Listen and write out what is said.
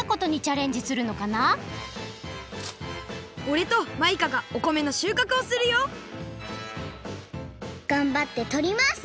おれとマイカがおこめのしゅうかくをするよがんばってとります